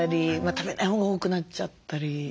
食べないほうが多くなっちゃったり。